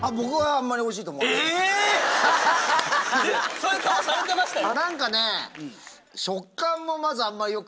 そういう顔されてましたよ。